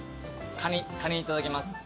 カニいただきます。